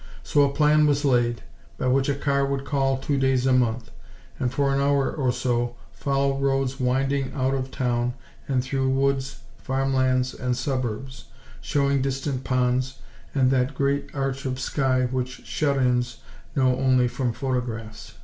So a plan was laid, by which a car would call two days a month; and for an hour or so, follow roads winding out of town and through woods, farm lands and suburbs; showing distant ponds, and that grand arch of sky which "shut ins" know only from photographs.